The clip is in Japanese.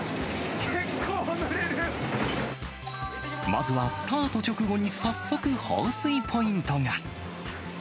まずはスタート直後に早速放水ポイントが。